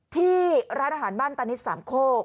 ที่ร้านอาหารบ้านตานิดสามโคก